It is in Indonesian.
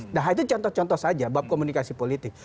nah itu contoh contoh saja bab komunikasi politik